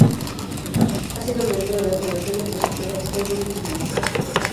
Ha sido miembro de la Fundación de Arquitectura de Beverly Willis.